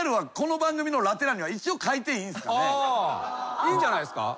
いいんじゃないっすか。